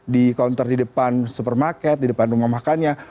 di counter di depan supermarket di depan rumah makannya